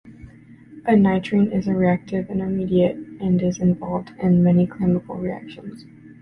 A nitrene is a reactive intermediate and is involved in many chemical reactions.